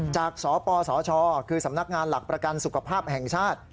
จากสปสชคือสำนักงานหลักประกันสุขภาพแห่งชาติ